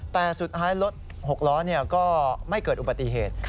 แต่สุดท้ายรถ๖ล้อก็ไม่เกิดอุบัติเหตุ